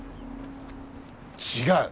違う！